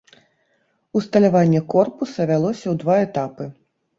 Усталяванне корпуса вялося ў два этапы.